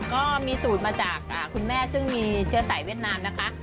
ก็มีสูตรมาจากคุณแม่ซึ่งมีเชื้อสายเวียดนามนะคะ